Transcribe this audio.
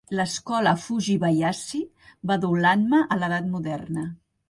L'escola Fujibayashi va dur l'"anma" a l'edat moderna.